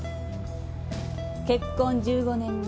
結婚１５年目。